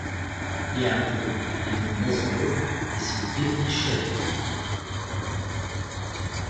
Yeɛqub iddem-d aẓru, isbedd-it d ccahed.